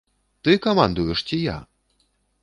Ты камандуеш ці я?